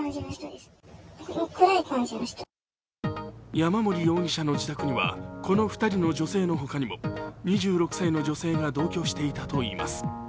山森容疑者の自宅にはこの２人の女性のほかにも２６歳の女性が同居していたといいます。